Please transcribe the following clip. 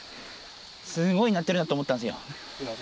すごい鳴ってるなと思ったんですよ。